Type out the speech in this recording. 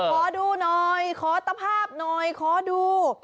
ขอดูหน่อยขอตภาพหน่อยขอดู